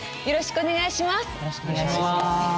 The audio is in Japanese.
よろしくお願いします。